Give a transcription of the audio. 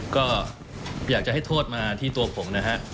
ก็อยากจะให้โทษมาที่ตัวผมนะฮะ